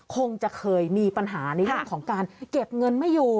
คงจะเคยมีปัญหาในเรื่องของการเก็บเงินไม่อยู่